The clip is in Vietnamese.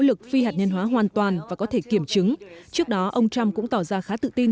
lực phi hạt nhân hóa hoàn toàn và có thể kiểm chứng trước đó ông trump cũng tỏ ra khá tự tin